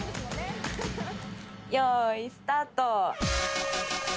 よーいスタート。